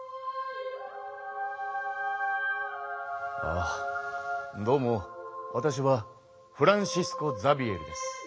ああどうもわたしはフランシスコ・ザビエルです。